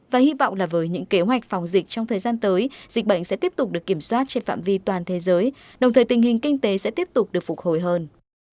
và hy vọng là với những kế hoạch phòng dịch trong thời gian tới dịch bệnh sẽ tiếp tục được kiểm soát trên phạm vi toàn thế giới đồng thời tình hình kinh tế sẽ tiếp tục được phục hồi hơn